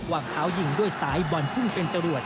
วางเท้ายิงด้วยซ้ายบอลพุ่งเป็นจรวด